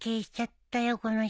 この人。